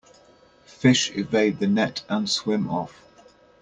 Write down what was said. Fish evade the net and swim off.